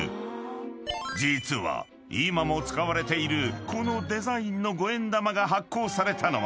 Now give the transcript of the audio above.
［実は今も使われているこのデザインの五円玉が発行されたのは］